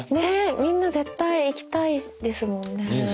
みんな絶対行きたいですもんね。